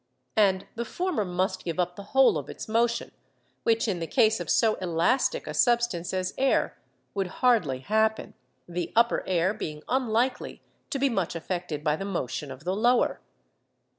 And the former must give up the whole of its motion, which, in the case of so elastic a substance as air, would hardly happen, the upper air being unlikely to be much affected by the motion of the lower.